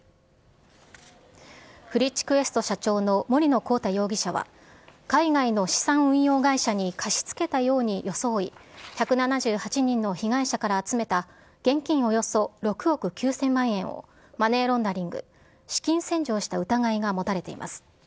フリッチクエスト社長の森野広太容疑者は、海外の資産運用会社に貸し付けたように装い、１７８人の被害者から集めた現金およそ６億９０００万円をマネーロンダリング・資金洗浄した疑いが持たれています。